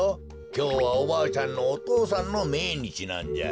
きょうはおばあちゃんのお父さんのめいにちなんじゃ。